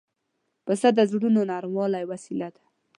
پسه د زړونو نرمولو وسیله ده.